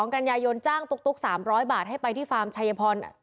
๒๒กัญญายนจ้ากาบตุก๓๐๐บาทให้ไปที่ฟาร์มชายภรรณ์